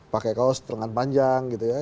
pakai kaos lengan panjang gitu ya